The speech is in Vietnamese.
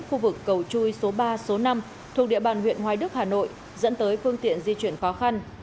khu vực cầu chui số ba số năm thuộc địa bàn huyện hoài đức hà nội dẫn tới phương tiện di chuyển khó khăn